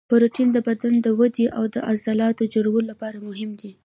پروټین د بدن د ودې او د عضلاتو د جوړولو لپاره مهم دی